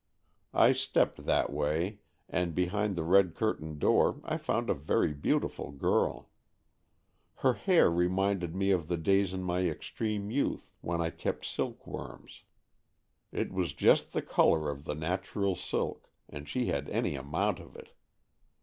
I stepped that way, and behind the red curtained door I found a very beautiful girl. Her hair reminded me of the days in my extreme youth, when I kept silkworms; it was just the colour of the natural silk, and she had any amount of it.